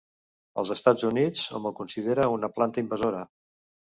Als Estats Units hom el considera una planta invasora.